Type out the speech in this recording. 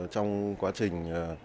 trong quá trình